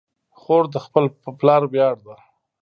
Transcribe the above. خور د خپل پلار ویاړ ده.